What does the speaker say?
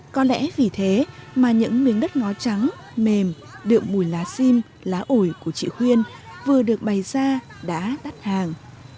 có lẽ vì thế mà những miếng đất ngó trắng mềm điệu mùi lá xim lá ổi của chị khuyên vừa được bày ra đã đắt hàng